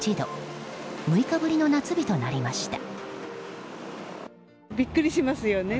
６日ぶりの夏日となりました。